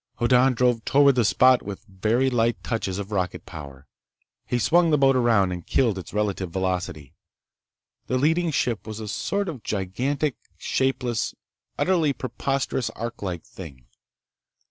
Hoddan drove toward the spot with very light touches of rocket power. He swung the boat around and killed its relative velocity. The leading ship was a sort of gigantic, shapeless, utterly preposterous ark like thing.